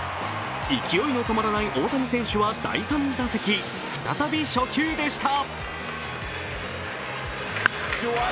勢いの止まらない大谷選手は第３打席、再び初球でした。